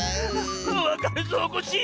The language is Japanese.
わかるぞコッシー！